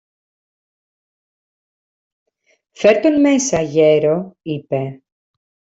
Φερ' τον μέσα, γέρο, είπε.